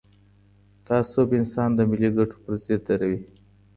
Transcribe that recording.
تعصب انسان د ملي ګټو پر ضد دروي.